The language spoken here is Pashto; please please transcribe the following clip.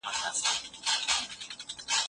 اصفهان ته لېږل شوي کسان نظر بند شول.